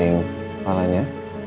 kena ini kepalanya